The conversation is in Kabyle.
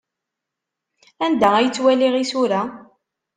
Anda ay ttwaliɣ isura?